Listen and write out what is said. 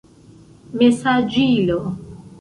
mesaĝilo